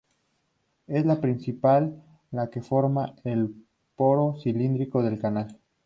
Es la principal, la que forma el poro cilíndrico del canal.